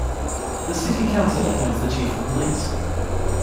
The city council appoints the Chief of Police.